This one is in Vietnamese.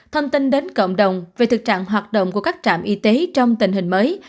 thông tin đến cộng đồng về thực trạng hoạt động của các trạm y tế trong tình hình mới